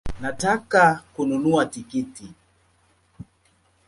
Nataka kununua tikiti